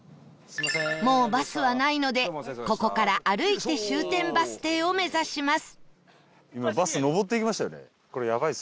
もうバスはないのでここから歩いて終点バス停を目指します